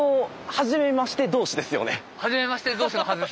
はじめまして同士のはずです。